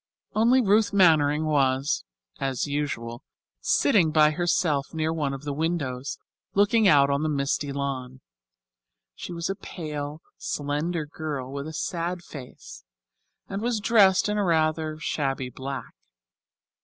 Only Ruth Mannering was, as usual, sitting by herself near one of the windows, looking out on the misty lawn. She was a pale, slender girl, with a sad face, and was dressed in rather shabby black.